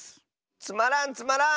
つまらんつまらん！